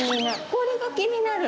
これが気になるの？